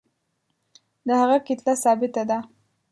د هغه کتله ثابته ده.